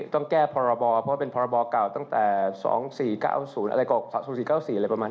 ต้องแก้พรบเพราะว่าเป็นพรบเก่าตั้งแต่๒๔๙๐อะไรประมาณ